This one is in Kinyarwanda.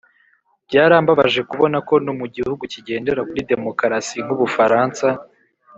byarambabaje kubona ko no mu gihugu kigendera kuri demokarasi nk'u bufaransa,